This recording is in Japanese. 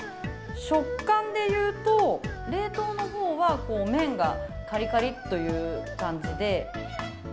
食感でいうと、冷凍の方は麺がカリカリッという感じで。